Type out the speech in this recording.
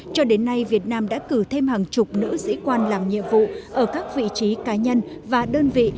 cho đến nay việt nam đã cử thêm hàng chục nữ sĩ quan làm nhiệm vụ ở các vị trí cá nhân và đơn vị